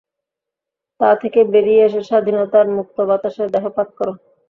তা থেকে বেরিয়ে এসে স্বাধীনতার মুক্ত বাতাসে দেহপাত কর।